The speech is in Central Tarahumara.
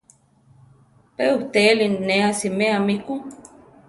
Pe uʼtéli ne asiméa mi ku.